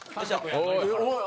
おい。